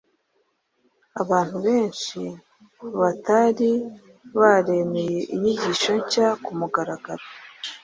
Abantu benshi batari baremeye inyigisho nshya ku mugaragaro